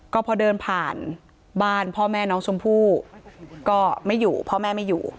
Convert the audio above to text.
ก็พอเดินผ่านบ้านพ่อแม่น้องชมพู่ก็ไม่อยู่พ่อแม่ไม่อยู่